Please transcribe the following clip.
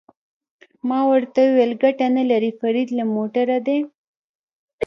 ما ورته وویل: ګټه نه لري، فرید له موټره دې.